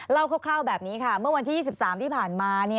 คร่าวแบบนี้ค่ะเมื่อวันที่๒๓ที่ผ่านมา